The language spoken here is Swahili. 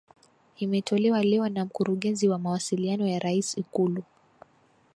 Imetolewa leo na mkurugenzi wa mawasiliano ya rais Ikulu